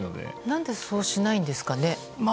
何でそうしないんですかね？